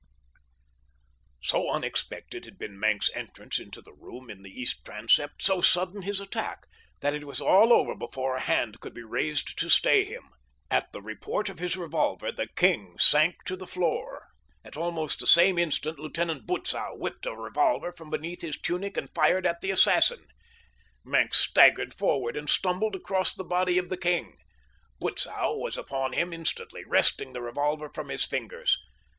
So unexpected had been Maenck's entrance into the room in the east transept, so sudden his attack, that it was all over before a hand could be raised to stay him. At the report of his revolver the king sank to the floor. At almost the same instant Lieutenant Butzow whipped a revolver from beneath his tunic and fired at the assassin. Maenck staggered forward and stumbled across the body of the king. Butzow was upon him instantly, wresting the revolver from his fingers.